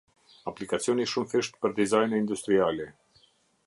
Aplikacioni i shumëfishtë për dizajne industriale.